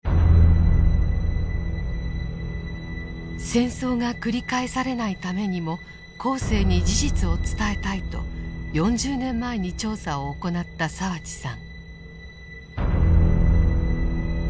戦争が繰り返されないためにも後世に事実を伝えたいと４０年前に調査を行った澤地さん。